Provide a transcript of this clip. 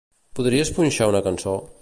Podries punxar una cançó?